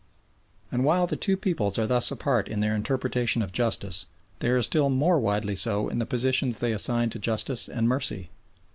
And while the two peoples are thus apart in their interpretation of justice, they are still more widely so in the positions they assign to justice and mercy.